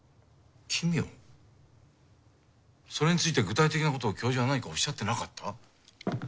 それについて具体的なことを教授は何かおっしゃってなかった？